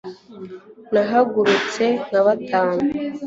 nahagurutse nka batanu